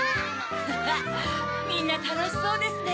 ・フフっみんなたのしそうですね。